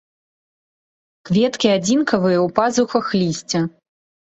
Кветкі адзінкавыя ў пазухах лісця.